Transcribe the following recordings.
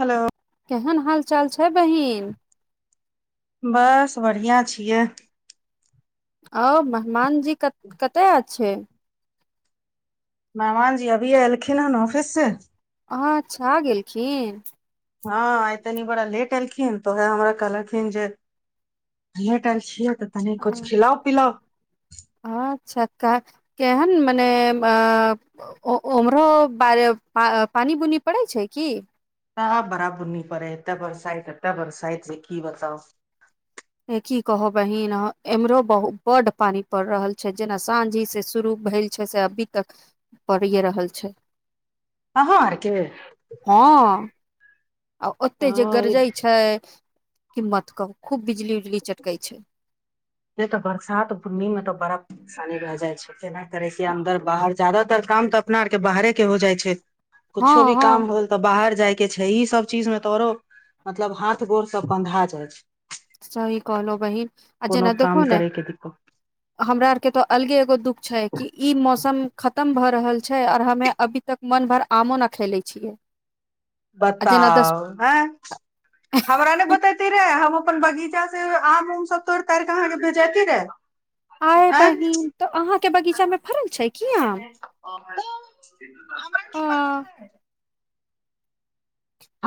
Hello केहेन हाल चाल छै बहिन बस बढ़िया छियै आउ मेहमान जी कत - कतेय छै मेहमान जी अभिये एलखिन हन ऑफिस से हुआ छा गेलखिन हँ आय तनी बड़ा लेट एलखिन तऽ उहै हमरा कहलखिन जे लेटल छियै तऽ तनि कुछ खिलाउ पिलाउ अच्छऽ का केहन मने अ ओ ओ ओम्हरो बरे पा - पानी बुनी पड़ै छै की हँ बरा बुनी पड़े हय एते बरसाइत एते बरसाइत जे की बताउ यै की कहो बहिन इम्हरो बहुत बड पानी पड़ रहल छै जेना साँझी से शुरू भेल छै से अभी तक पड पढ़िये रहल छै। अहाँ आर केँ। हँ आ ओते जे ओ, गरजै ये छै की मत कहु खूब बिजली उजली चटकै छै से तऽ बरसात बुन्नी म तऽ बड़ा परेशानी भैऽ जाइ छै तेना करै छै अन्दर बाहर जदातर काम तऽ अपना आरके बाहरे केँ हो जाइ छै। हँ कुछो भी हँ काम होल। तऽ बाहर जाइ केँ छै ई सब चीज मे तऽ आऔरो मतलब हाथ गोर सब बन्धा जाइ छैय। सही कहलो बहिन आ कोनो जेना देख काम होने। करे के दिक्कत हमरा आर केँ तो अलगे एगो दुख छै कि इ मौसम खतम भऽ रहल छै आओर हमे अभी तक मन भर आमो नऽ खेले छियै। आ जेना दस बताउ हे। हमरा नय बतेती रहे हम अपन बगीचा से आम उम सब तोड़ तड़िक अहाँ कऽ भेजेती रहे। आय बहिन तऽ अहाँ केँ बगीचा मे फरल छै की आम। [inaudible] अ पता है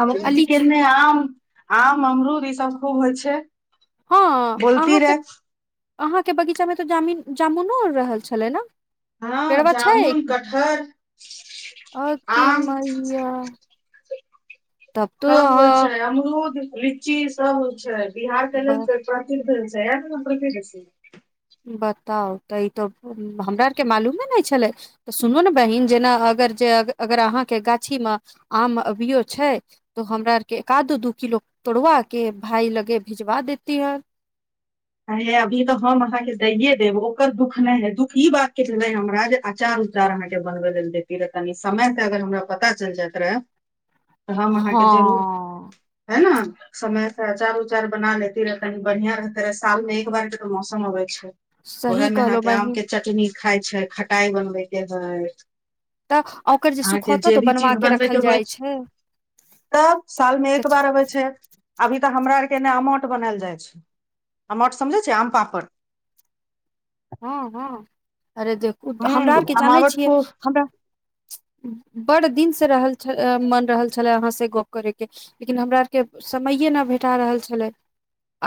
आब आ लीच बिकेरने आउ आम अमरूद ई सब खूब होइ छै बोलती रै अहाँकेँ बगीचा मे तऽ जामीन जामुनो आर रहल छलै नऽ हँ पेरवा छै जामुन कटहर अ की आम मैया। तब तो सब होइ छै अहाँ अमरूद लीची सब होइ छै बिहार केँ लेल। [unintelligible] [unintelligible] बताउ तऽ ई तो हमरा आरके मालूमे नय छलै तऽ सुनू ने बहिन जेना अगर जे अगर अहाँकेँ गाछी मऽ आम अभियो छै। तो हमरा आरके एका आदो दू किलो तोड़वा केँ भााय लगे भिजवा देती हन हाय यै अभी तऽ हम अहाँकेँ दइये देब ओकर दुःख नय है दुःख ई बात केँ भेल हमरा जे अचार। चार आहाँकेँ बनबै लेल देती रहै तनी समय कऽ अगर हमरा पता चैल जायइ रहै। तऽ हम अहाँके हँ जरूर हे ने समय से अचार उचार बना लेती रहै तनी बढ़िया रह फेर साल मे एक बार जकर मौसम अबे छै ओहे सही मे अहां कहलो के आम बहिन के चट नी खाइ छै खटाइ बनबेके हैय तऽ ओकर जे सुखोतो त ओ बनवा के रखल जाइत छै तऽ साल मे एक बार अबै छै अभी तऽ हमरा आर के ने आमठ बनाल जाइ छैय आमठ समझै छ आम पापड़ हँ हँ अरे देखू हमरा हूँ आरके जानै अमावट छियै खूब हमरा बढ़ दिन से रहल छल मन रहल छलए हाँ से गप करैके लेकिन हमरा आरके समैए नय भेटा रहल छलै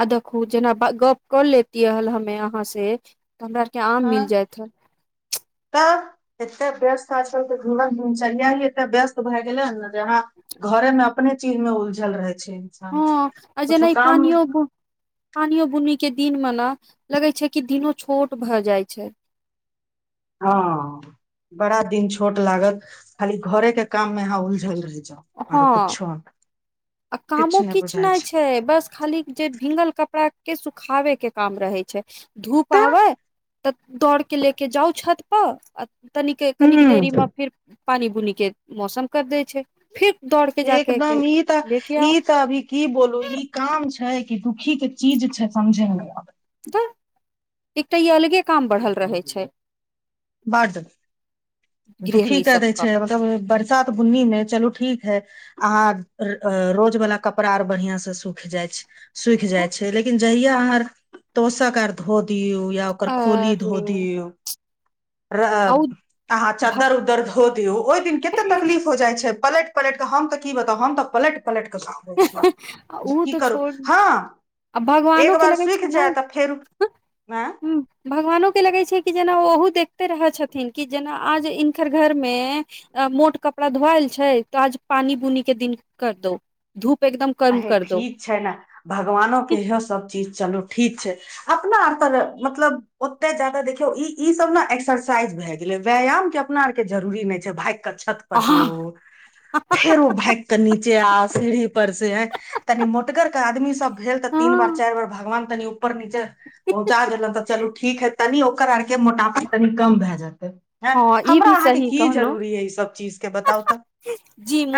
आ देखु जेना गप कर लेतियए हल हमे अहाँ से त हमरा आर के आम हँ मिल जायत ह [inaudible] तऽ एते व्यस्त आ चल त जीवन दिनचरय ही एते व्यस्त भए गेलै हन ने जे यहाँ घरे में अपने चीज में उलझल रहे छी हँ अ जेना इ पानियो पानियो बुनी के दिन म ने लगे छै की दिनो छोट भए जाय छै हँ बड़ा दिन छोट लागत खाली घरे के काम मे उलझल रहि जाउ हँ आरो कुछो आ कामो किछु नय छै बस खाली जे भींगल कपड़ा के सुखाबे के काम रहे छै धुप तऽ आबै तऽ दौड़ के लेके जाउ छत पर तन कनिक देरी ह मे फिर पानी बुनी के मौसम कर दै छै फिर दौड़ के जाके के एकदम ई त लेके ई आउ त अभी की बोलू ई काम छै कि दुखी के चीज छै समझे मे नय आबे तऽ एकटा ई अलगे काम बढ़ल रहै छै बढ़ दुखी गृहणी क दै सबके छै मतलब बरसात बुन्नीमे चलू ठीक है आ रोज बला कपड़ा आर बढ़िआं से सूख जाइ छै सुख तऽ जाइ छै लेकिन जहिया अर तोषक आर धो दियऔ या ऐकर खोली धो अरे दियो रअ आ उ आंहा भक चदर उदर धो धो दिऔ ओइ दिन कते तकलीफ हो जाइ छै पलट पलट कऽ हम तऽ की बताउ हम तऽ पलट पलट उ केऽ तऽ [inaudible] करू छोड़ हँ आ एक भगवानो के बार लगै छै सुख ने जाय ह तऽ फेरु आँ भगवानो के लगै छै कि जेना ओ ओहो देखते रहै छथिन कि जेना आज हिनकर घर मे अ मोट कपड़ा धोवल छै तो आज पानी बुनी के दिन कर दो धूप एकदम कम अहे कर दो ठीक छै ने भगवानो के इहो सब चीज चलू ठीक छै अपना अर तर मतलब ओते जादा देखियौ ई ई सब ने एक्सरसाइज भए गेलै व्यायाम के अपना आरके जरूरी नय छै भागि कऽ छत पर जो हँ फेरो भाग कऽ नीचे आ सीढ़ी पर से तनि मोटगर के आदमी सब भेल तऽ तीन बार हँ चार बेर भगवान तनि ऊपर नीचे पहुँचा देलन तऽ चलू ठीक हइ तनि ओकर आरके मोटाफा तनि कम भए जेतै हँ ई हमरा भी अहाँके सही की कहलहु जरूरी य ईसभ चीजके बताउ तऽ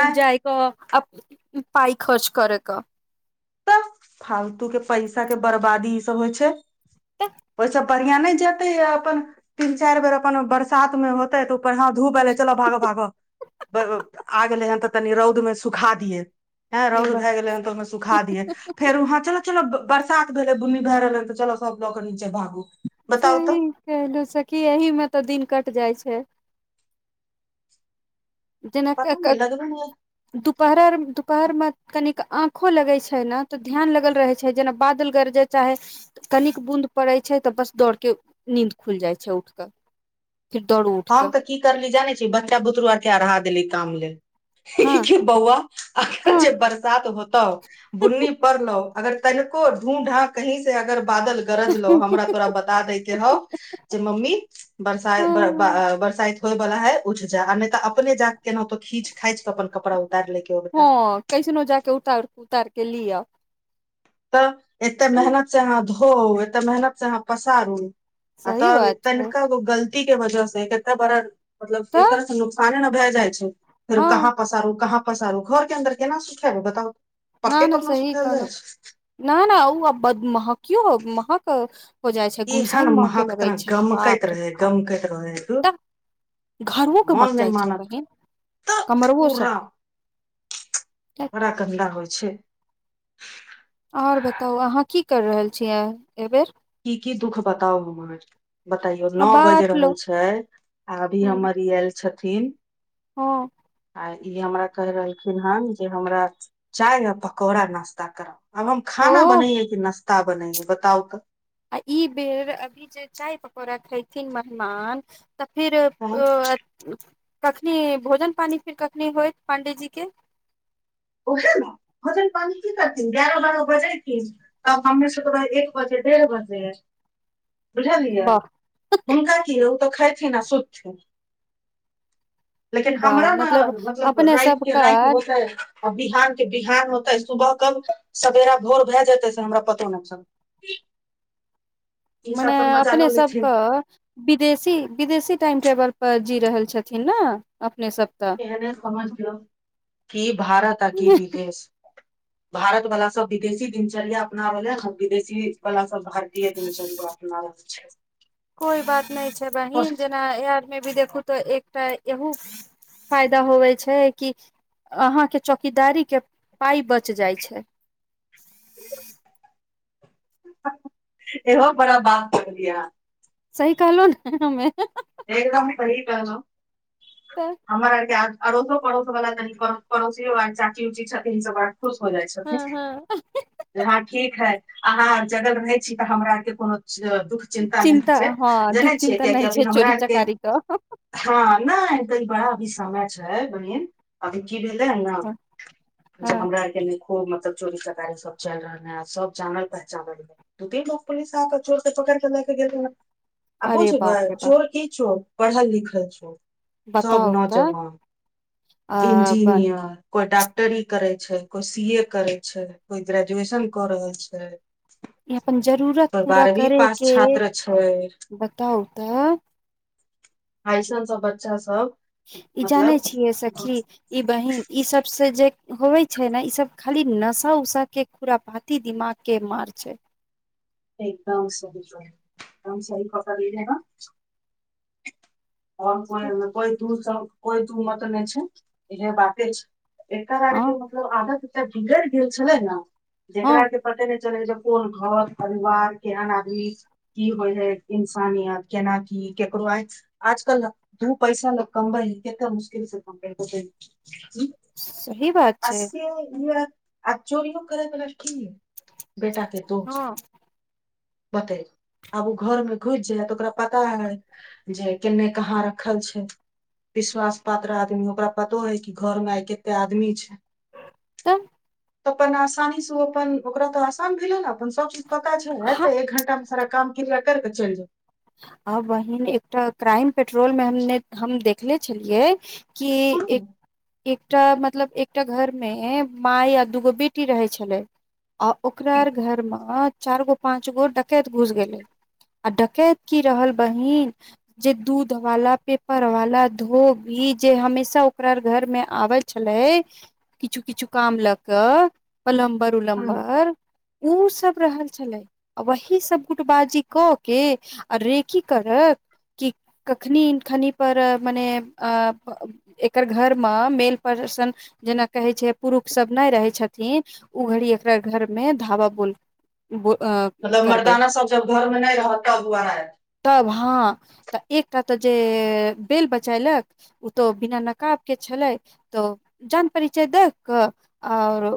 आ त पाइ खर्च करै क तऽ फालतू के पैसा के बर्बादी ई सब होइ छै तऽ ओरसे [unintelligible] जतै है अपन तीन चारि बेर अप्पन बरसात में होते तऽ ऊपर ह धूप एले चलो भागो भागो आ गेलै हन तऽ तनी रौद में सुखा दियए हे ए रौद बा भए गेलै हन तऽ ओहि में सुखा दियै र ह चल चलो बरसात भेलै बुन्नी भए रहल ह तऽ चल सभी लऽ के नीचे भागू बताउ सही तऽ कहल से कि एहिही में तऽ दिन कट जाइ छै। जेनक पता क नहि लगबे नहि दुपहर दुपहर में कनिक आंखो लगे छै। ने तऽ ध्यान लगल रहे छै। जेना बादल गरजत चाहे कनिक बूँद पड़ै छै। तऽ बस दौड़के नींद खुलि जाइ छै। उठि कऽ फिर दौड़ हम उठकऽ तऽ की करली जानै छी बच्चा बुतरु आर के अढ़ा देली काम ल लेल हँ देख बौआ अगर जे हँ बरसात होतौ बुन्नी पड़लो अगर तनिको धू ढ कहीं सऽ अगर बादल गरज लो हमरा तोरा बता दै के हौ जे मम्मी हँ बरसाय [unintelligible] होय बाला है उचजा आ नहि तऽ अपने जााक केनाो खीच खांच कऽ अप्पन कड़ा उतारि ले के ओ हँ कैसनो जाक उतार उतार के लिअ। तऽ एते मेहनत सऽ अहाँ धोउ एते मेहनत से अहाँ पसारू आ सही बात तनि छै क गलती। के वजह से कते बड़ा मतलब एक तऽ तरह से नुकसाने ने भए जाइ छै। फेर हँ कहाँ पसारू कहाँ पसारू घोर के अन्दर केना सुख ह बताउ न पत न पर्ण सही सुखा जा कहलहु छै। न नहि ओ महकियौ महक। हो जाइ छै। एहन गुमसइन मके महक लगै तरह छै। गमकैत बाप रे रहे बाप गमकैत रहे धुर तब घरवो मन कमक नहि जाइ छै। मानत बहिन तऽ कमरवो पूरा सभ कधा होइ छै। आओर बताउ अहाँ की कर रहल छीयै एहिबेर की की दुःख बताउर बतइयो आ नओ बाजि बात लो रहल छै आ अभी हमर ई आयल छथिन। हा आ इ हमरा कहि रहलखिन हन जे हमरा चाय आ पकौड़ा नास्ता करा अब हम ओ खाना बनै कि नाश्ता बनैएै। बताउ तऽ आ ई बेर अभी जे चाय पकोड़ा खेथिन। मेहमान तऽ फिर तऽ कखनी भोजन पानी फिर कखनी होइत पाण्डी जी के ओह ने भजन प की करथिन एगारह बारह बजे छै। तब हम में से तबह एक बजे डेढ़ बजे बुझलियै। वाह हिनका की य ओ तऽ खेथिन आ सुतथिन। लेकिन वाह हमरा न मतलब अपने राति के सबके राति होतै आ बिहान के बिहान होते सुबह क सवेरा भोर भए जेते से हमरा पतो न चलते [unintelligible] मने अपने सभ के विदेशी विदेशी टाइम टेबल पर जी रहल छथिन। ने अपने सभ एने समझ लियौ क भारत अ की विदेश। भारत वाला सभ विदेशी दिनचर्या अपनाव ले हम विदेशी बला सभ भारतीय तन जन अपना छै। कोइ बात नय छै बहिन जेना ए आर मे भी देखू तऽ एकटा एहू फायदा होवै छै कि अहाँ के चौकीदारी के पाइ बच जाइ छै इहो बड़ा बात कहलियै अहाँ। सही कहलौं ने हम्मे। एकदमे सही कहलौं तऽ हमरा आरके आर अड़ोसो पड़ोसो बला तनि पड़ोसियो आर चाची ऊची छथिन सबर खुश हो जाइ हँ छथिन हँ जे हँ ठीक है अहाँ जग रहै छी तऽ हमरा आरके कोनो च दुःख चिन्तामे होइ चिन्ता छै हँ दुःख जनेै छियै चिन्ता कियेकी नहि आब अभी छै हमरा चोरी आरके चकारी के हँ नय आ ई बड़ा अभी समय छै बहिन अभी की भेलै हन न जे हँ हमरा आर के खूब मतलब चोरी चकारी सब चलि रहल हय आ सब जानल पहचानल हय दिन मे पुलिस आक चोरके पकड़ि के लए के गेलै ने आ अरे बूझबै बाप रे बाप चोर की चोर पढ़ल लिखल चोर सब बताउ तऽ नौजवान अ इंजीनियर कोइ डॉक्टरी करै छै कोइ सी ए करै छै कोइ ग्रेजुएशन कऽ रहल छै ई अपन जरूरत कोइ पूरा बारहवीं करे पास के छात्र छै बताउ तऽ अइसन सब बच्चा सब ई जानै मतलब छियै सखी ई बहिन ई सब से जे होवे छै ने ई सब खाली नशा उसा के खूडापाति दिमाग के मार छै एकदम सही कहलि एकदम सही पकड़लियै हन आओर को कोइ एमे कोइ दूमत नय छै इहे बाते छै एकर हँ आरके मतलब आधा के बिगड़ि गेल छलै ने हँ जेकरा आर के पते नय चलै छै कोन घर परिवार केहन आदमी की होइ हय इंसानियत केना की केकरो आँखि आजकल न दू पैसा लोक कमबै हय केते मुश्किल से कमबै हम सही बात आ छै से ई आर आ चोरीयो करै बला की बेटा ते हँ दोस्त बतेब आब ओ घर मे घुसि जाय तऽ ओकरा पता हय जे केन्ने कहाँ रखल छै विश्वास पात्र आदमी ओकरा पतो रहै कि घर मे आइ केते आदमी छै तऽ तऽ अपन आसानी से ओ अपन ओकरा तऽ आसान भेलै ने अपन सब चीज पता छै ह ऐतै एक घंटा मे सारा काम क्रिया करके चलि जेतै आ बहिन एकटा क्राइम पेट्रोल मे हम हम देखले छलियै की एक जाउ एकटा मतलब एकटा घर मे माय आ दूगो बेटी रहै छलै। आ ओकरा घर मे चार गो पांच गो डकैत घुस गेलै आ डकैत की रहल बहिन जे दूध वाला पेपर वाला धोबि जे हमेशा ओकरा घर मे आवय छलै किछु किछु काम लऽ कऽ पलम्बर उलम्बर उ सब रहल छलै आ वही सभ गुटबाजी कऽ के आ रेेकी करत कि कखनी खनी पर मने अ एकर घर मे मेन पर्सन जेना कहै छै पुरुषसभ नहि रहै छथिन ओ घड़ी एकरा घरमे धाबा बोल बो अ मतलब करबै मर्दाना सब जब घर में नहि रहत तब वरायत तब हँ तऽ एकटा तऽ जे बेल बजेलक ओ तऽ बिना नकाब के छलै तऽ जान परिचय देख कऽ आओर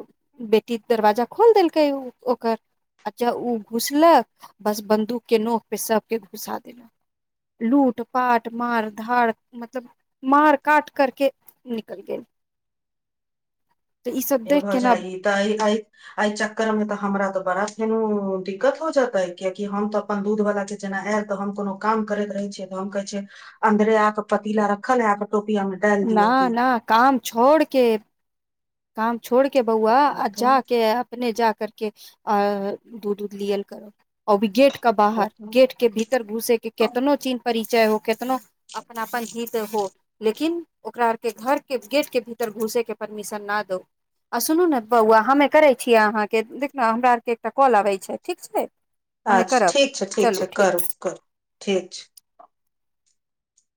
बेटी दरवाजा खोल देलकै ओ ओकर अच्छा ओ घुसलक बस बन्दूकके नोक पे सभके घुसा देलक लूट पाट मार धाड़ मतलब मार काट करके निकल गेल तऽ ई सब य देख भऽ के न जाइ तऽ आ एहि चक्कर मे तऽ हमरा तऽ बड़ा फेन ओ दिक्कत हो जेतै कियाकि हम तऽ अपन दूध वला छै जेना आयल तऽ हम कोनो काम करैत रहै छियै तऽ हम कहै छै अन्दर आके पतीला रखल हय आकेटोपिया मे डालि ना दियौ ना दूध काम छोड़ के काम छोड़ के बौआ बताउ आ तऽ जा के अपने जा करके अ दूध उध लियल करो अओ भी गेट क बाहर बताउ गेट के भीतर र घुसे के केतनो चीन परिचय हो केतनो अपनापन हीत हो लेकिन ओकरा आरके घर के गेट के भीतर घुसे के परमिशन ना दो आ सुनू ने बौआ हमे करै छियै अहाँके देख ने हमरा आरके एकटा कॉल अबै छै ठीक छै हमे अच्छा करब ठीक छै ठीक चलू छै करू करू ठीक छै